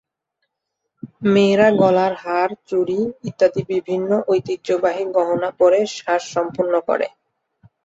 মেয়েরা গলার হার, চুড়ি ইত্যাদি বিভিন্ন ঐতিহ্যবাহী গহনা পরে সাজ সম্পূর্ণ করে।